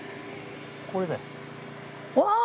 これだよ。